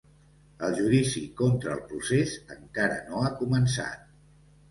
El judici contra el procés encara no ha començat.